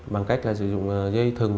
bằng cách sử dụng dây thừng